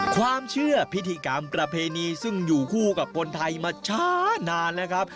ความเชื่อพิธีกรรมประเพณีซึ่งอยู่คู่กับคนไทยมาช้านานแล้วครับ